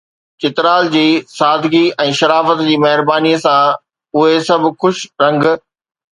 چترال جي سادگي ۽ شرافت جي مهربانيءَ سان اهي سڀ خوش رنگ